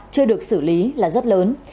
chưa được xử lý là rất lớn